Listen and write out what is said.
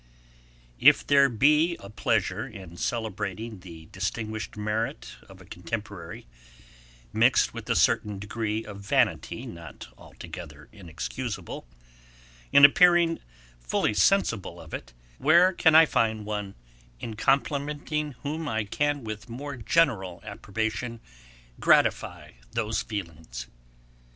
If there be a pleasure in celebrating the distinguished merit of a contemporary, mixed with a certain degree of vanity not altogether inexcusable, in appearing fully sensible of it, where can I find one, in complimenting whom I can with more general approbation gratify those feelings?